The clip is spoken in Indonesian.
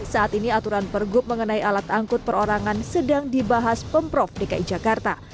saat ini aturan pergub mengenai alat angkut perorangan sedang dibahas pemprov dki jakarta